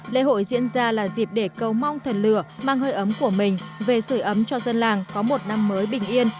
lễ hội diễn ra là dịp để cầu mong thần lửa mang hơi ấm của mình về sửa ấm cho dân làng có một năm mới bình yên